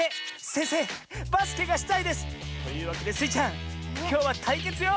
せんせいバスケがしたいです！というわけでスイちゃんきょうはたいけつよ！